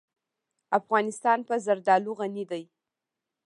افغانستان په زردالو غني دی.